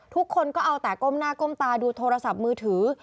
ทุกคนก็เอาแต่ก้มหน้าก้มตาดูโทรศัพท์มือถือ